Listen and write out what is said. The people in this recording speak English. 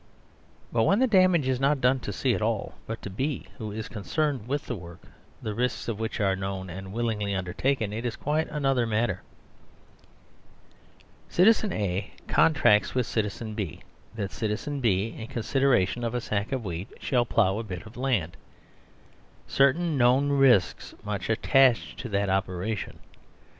But when the damage is not done to C at all, but to B, who is concerned with a work the risks of which are known and willingly undertaken, it is quite an other matter. Citizen A contracts with citizen B that citizen B, in consideration of a sack of wheat, shall plough a bit of land. Certain known risks must attach to that operation.